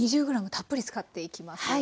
２０ｇたっぷり使っていきますよ。